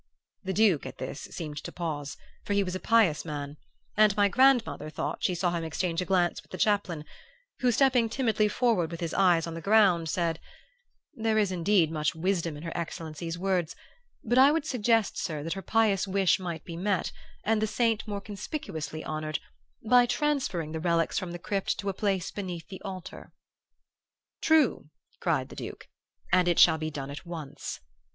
"The Duke at this seemed to pause, for he was a pious man, and my grandmother thought she saw him exchange a glance with the chaplain; who, stepping timidly forward, with his eyes on the ground, said, 'There is indeed much wisdom in her excellency's words, but I would suggest, sir, that her pious wish might be met, and the saint more conspicuously honored, by transferring the relics from the crypt to a place beneath the altar.' "'True!' cried the Duke, 'and it shall be done at once.